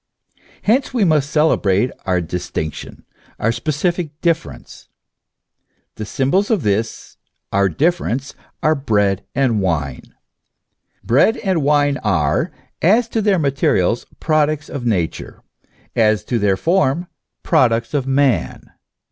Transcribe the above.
Hence we must celebrate our distinction, our specific difference. The symbols of this our difference are bread and wine. Bread and wine are, as to their materials, products of Nature ; as to their form, products of man.